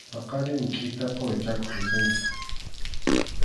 Paqarinmi kʼita quwi chakuq risunchik.